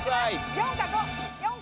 ４か５！